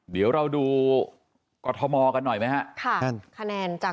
ดีแล้วเราดูกอทมกันหน่อยไหมนะครับ